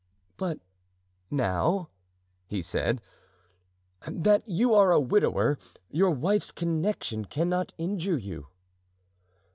"But now," he said, "that you are a widower, your wife's connection cannot injure you."